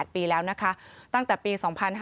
๒๘ปีแล้วตั้งแต่ปี๒๕๓๑